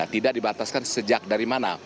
tidak dibatalkan sejak dari mana